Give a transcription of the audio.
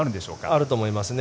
あると思いますね。